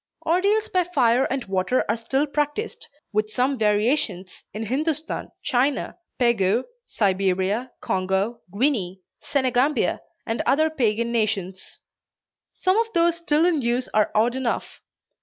Ordeals by fire and water are still practiced, with some variations, in Hindostan, China, Pegu, Siberia, Congo, Guinea, Senegambia and other pagan nations. Some of those still in use are odd enough.